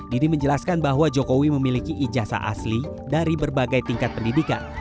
didi menjelaskan bahwa jokowi memiliki ijazah asli dari berbagai tingkat pendidikan